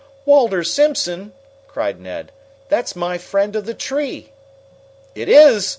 "Walter Simpson!" cried Ned. "That's my friend of the tree!" "It is?"